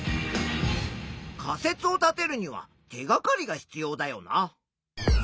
仮説を立てるには手がかりが必要だよな。